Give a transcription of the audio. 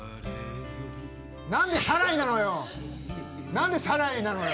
何で「サライ」なのよ！